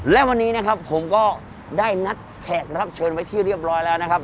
และวันนี้นะครับผมก็ได้นัดแขกรับเชิญไว้ที่เรียบร้อยแล้วนะครับ